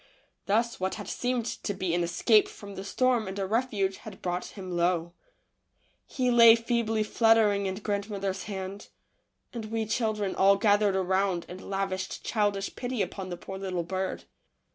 Thus what had seemed to be an escape from the storm and a refuge had brought him low. He lay feebly fluttering in grandmother's hand, and we children all gathered around and lavished childish pity upon the poor little bird.